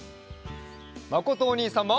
まことおにいさんも！